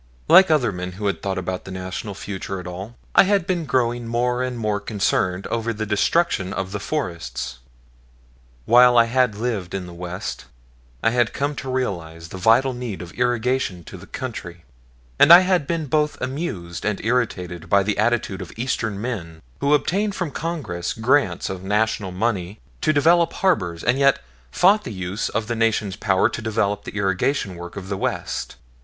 Like other men who had thought about the national future at all, I had been growing more and more concerned over the destruction of the forests. While I had lived in the West I had come to realize the vital need of irrigation to the country, and I had been both amused and irritated by the attitude of Eastern men who obtained from Congress grants of National money to develop harbors and yet fought the use of the Nation's power to develop the irrigation work of the West.